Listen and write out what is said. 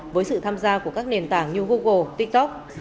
với sự tham gia của các nền tảng như google tiktok